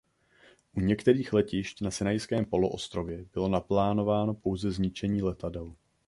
U některých letišť na Sinajském poloostrově bylo naplánováno pouze zničení letadel.